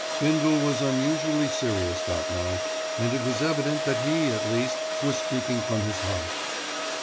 Bindle was unusually serious that night, and it was evident that he, at least, was speaking from his heart.